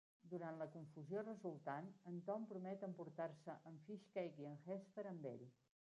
Durant la confusió resultant, en Tom promet emportar-se en Fishcake i en Hester amb ell.